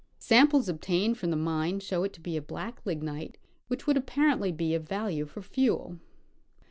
Samples obtained from the mine show it to be a black lignite which would apparently be of value for fuel.